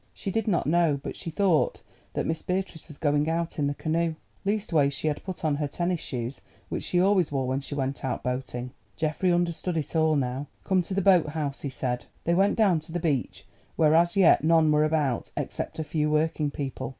She did not know, but she thought that Miss Beatrice was going out in the canoe. Leastways she had put on her tennis shoes, which she always wore when she went out boating. Geoffrey understood it all now. "Come to the boat house," he said. They went down to the beach, where as yet none were about except a few working people.